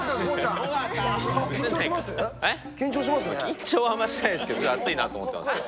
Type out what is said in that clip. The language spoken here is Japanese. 緊張はあんましてないですけど暑いなと思ってますよ。